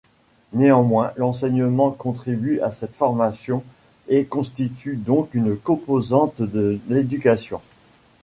Néanmoins, l'enseignement contribue à cette formation et constitue donc une composante de l'éducation.